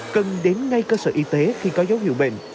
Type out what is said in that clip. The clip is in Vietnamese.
cần đến ngay cơ sở y tế khi có dấu hiệu bệnh